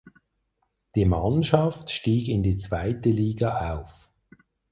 Die Mannschaft stieg in die zweite Liga auf.